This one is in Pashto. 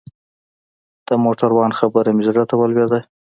د موټروان خبره مې زړه ته ولوېده.